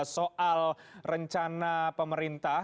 soal rencana pemerintah